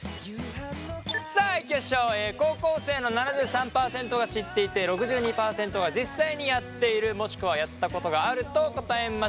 さあいきましょう高校生の７３％が知っていて６２％が実際にやっているもしくはやったことがあると答えました。